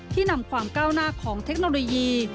นำความก้าวหน้าของเทคโนโลยี